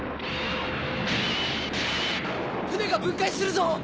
船が分解するぞ！